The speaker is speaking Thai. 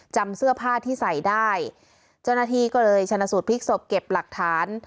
จำเสื้อผ้าที่ใส่ได้เจ้าหน้าที่ก็เลยชนะสูตรพลิกศพเก็บหลักฐาน